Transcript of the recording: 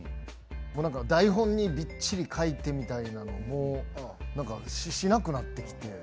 台本に、びっしり書いてみたいなものからしなくなりました。